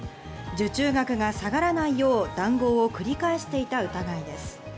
受注額が下がらないよう談合を繰り返していた疑いです。